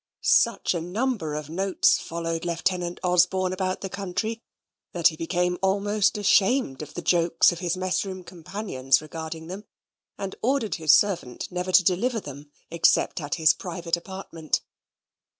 Such a number of notes followed Lieutenant Osborne about the country, that he became almost ashamed of the jokes of his mess room companions regarding them, and ordered his servant never to deliver them except at his private apartment.